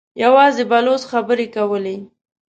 يواځې بلوڅ خبرې کولې.